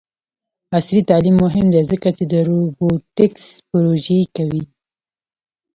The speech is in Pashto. عصري تعلیم مهم دی ځکه چې د روبوټکس پروژې کوي.